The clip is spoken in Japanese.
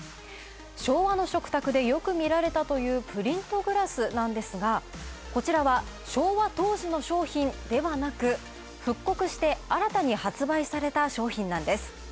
昭和の食卓でよくみられたというプリントグラスなんですが、こちらは、昭和当時の商品ではなく、復刻して新たに発売された商品なんです。